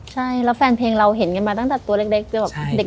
ใช่แล้วแฟนเพลงเราเห็นกันมาตั้งแต่ตัวเล็กจนแบบเด็ก